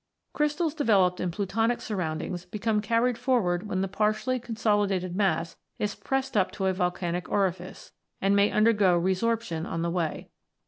Crystals developed in plutonic surroundings become carried forward when the partially consolidated mass is pressed up to a volcanic orifice, and may undergo resorption on the way.